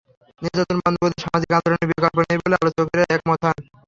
নির্যাতন বন্ধ করতে সামাজিক আন্দোলনের বিকল্প নেই বলে আলোচকেরা একমত হন।